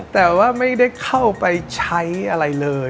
แต่ว่าไม่ได้เข้าไปใช้อะไรเลย